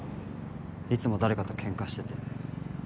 いつも誰かとケンカしてて。